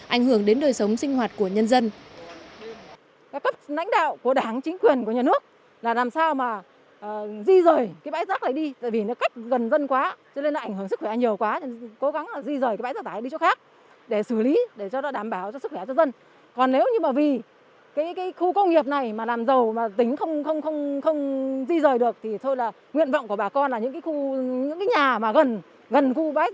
ảnh hưởng đến đời sống sinh hoạt của nhân dân